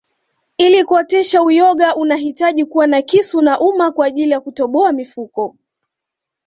Ili kuotesha uyoga unahitaji kuwa na kisu na uma kwaajili ya kutoboa mifuko